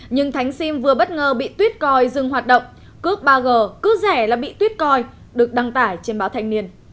nhưng thánh sim vừa bất ngờ bị tuyết coi dừng hoạt động cướp ba g cứ rẻ là bị tuyết coi được đăng tải trên báo thanh niên